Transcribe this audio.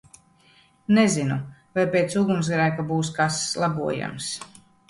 Nezinu, vai pēc ugunsgrēka būs kas labojams